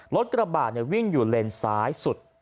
รถกระบาดเนี่ยวิ่งอยู่เลนสายสุด